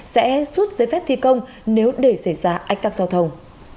sẽ rút giấy phép thi công nếu để xảy ra ách tắc giao thông